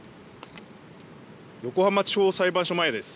横浜地方裁判所前です。